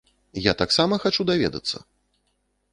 Я таксама хачу даведацца!